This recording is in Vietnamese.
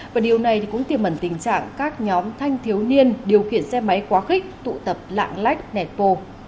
và điều này cũng tiềm ẩn tình trạng các nhóm thanh thiếu niên điều khiển xe máy quá khích tụ tập lạng lách nẹt vô